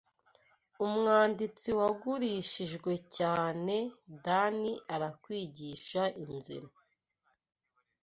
umwanditsi wagurishijwe cyane Dani arakwigisha inzira-